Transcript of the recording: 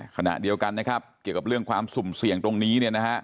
ขณะเดียวกันนะครับเกี่ยวกับเรื่องความสุ่มเสี่ยงตรงนี้เนี่ยนะฮะ